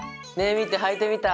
見てはいてみた。